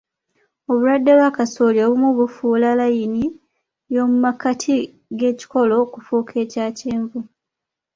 Obulwadde bwa kassooli obumu bufuula layini y'omumakkati g'ekikoola okufuuka eya kyenvu.